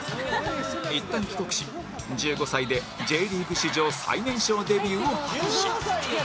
いったん帰国し１５歳で Ｊ リーグ史上最年少デビューを果たし「１５歳で！